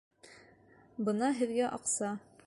Бына һеҙгә аҡса!